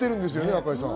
赤井さん。